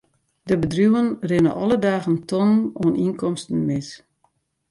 De bedriuwen rinne alle dagen tonnen oan ynkomsten mis.